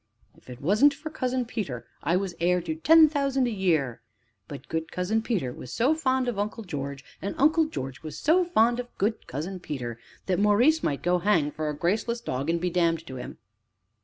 If it wasn't for Cousin Peter, I was heir to ten thousand a year; but good Cousin Peter was so fond of Uncle George, and Uncle George was so fond of good Cousin Peter, that Maurice might go hang for a graceless dog and be damned to him!"